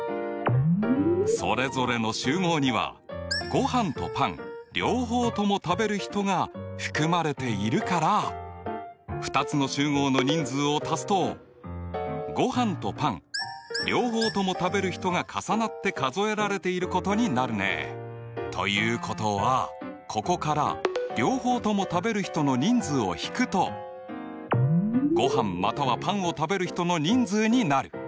それぞれの集合にはごはんとパン両方とも食べる人が含まれているから２つの集合の人数を足すとごはんとパン両方とも食べる人が重なって数えられていることになるね。ということはここから両方とも食べる人の人数を引くとごはんまたはパンを食べる人の人数になる。